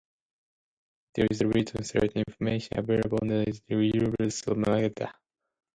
There is little certain information available on the early rulers of Magadha.